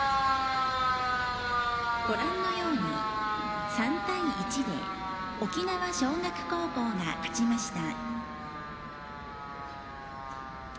ご覧のように３対１で沖縄尚学高校が勝ちました。